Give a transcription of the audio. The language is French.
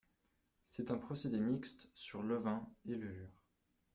C'est un procédé mixte sur levain et levure.